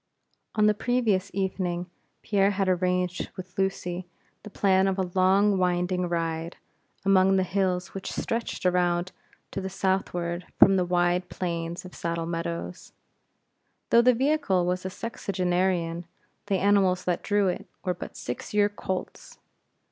On the previous evening, Pierre had arranged with Lucy the plan of a long winding ride, among the hills which stretched around to the southward from the wide plains of Saddle Meadows. Though the vehicle was a sexagenarian, the animals that drew it, were but six year colts.